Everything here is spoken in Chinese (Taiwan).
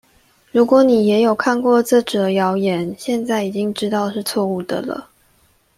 如果你也有看過這則謠言，現在已經知道是錯誤的了